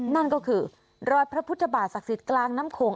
นั่นก็คือรอยพระพุทธบาทศักดิ์สิทธิ์กลางน้ำโขง